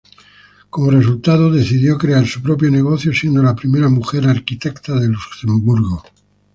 Como resultado, decidió crear su propio negocio, siendo la primera mujer arquitecta de Luxemburgo.